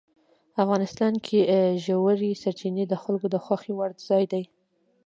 افغانستان کې ژورې سرچینې د خلکو د خوښې وړ ځای دی.